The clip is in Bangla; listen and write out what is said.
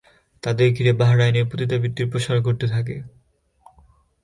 তাদের ঘিরে বাহরাইনে পতিতাবৃত্তির প্রসার ঘটতে থাকে।